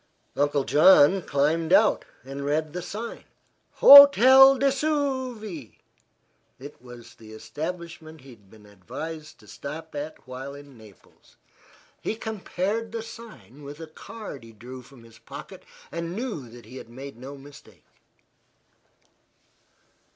Uncle John climbed out and read the sign. "Hotel du Vesuve." It was the establishment he had been advised to stop at while in Naples. He compared the sign with a card which he drew from his pocket, and knew that he had made no mistake.